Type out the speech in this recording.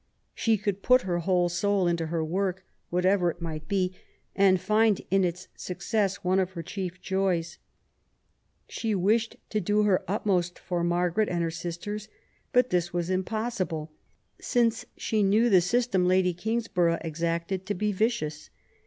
She could put her whole soul into her work, whatever it might be, and find in its success one of her chief joys. She wished to do her utmost for Margaret and her sisters, but this was impossible, since she knew the system Lady Kingsborough exacted to be vicious.